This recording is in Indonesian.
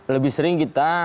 lebih sering kita